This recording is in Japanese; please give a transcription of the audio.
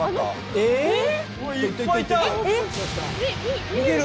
えっ？